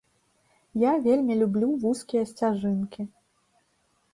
Я вельмі люблю вузкія сцяжынкі.